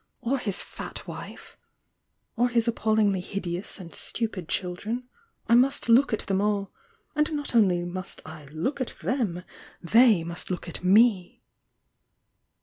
— or his fat wife!— or his appallingly hideous and stupid children! I must look at Oiem all! — and not only must I look at them — they must look at me!"